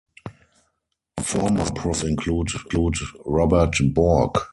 Former professors include Robert Bork.